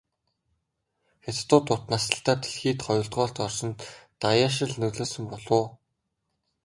Хятадууд урт наслалтаар дэлхийд хоёрдугаарт орсонд даяаршил нөлөөлсөн болов уу?